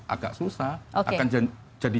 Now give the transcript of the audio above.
agak susah akan jadi